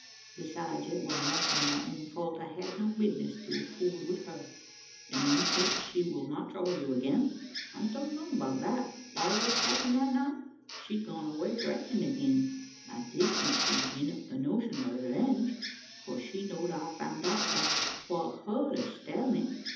Besides it war mostly my own fault: I had no bisness to a fooled wi' her." "And you think she will not trouble you again?" "I don know about that, arter what's happened the night. She's gone away thraitnin' agin. I did think she'd gin up the notion o' revenge: for she know'd I'd found out that 'twar her that stabbed me.